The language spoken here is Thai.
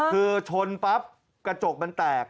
คือชนปั๊บกระจกมันแตก